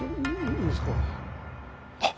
あっ！